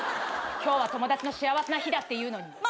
今日は友達の幸せな日だっていうのに。